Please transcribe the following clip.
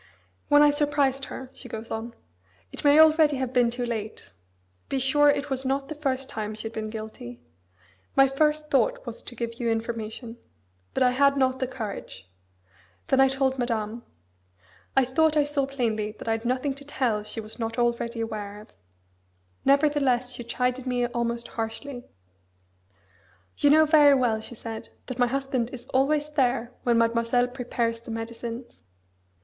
"When I surprised her," she goes on: "It may already have been too late be sure it was not the first time she had been guilty my first thought was to give you information. But I had not the courage. Then I told Madame. I thought I saw plainly that I had nothing to tell she was not already aware of. Nevertheless she chided me almost harshly. 'You know very well,' she said, 'that my husband is always there when Mademoiselle prepares the medicines.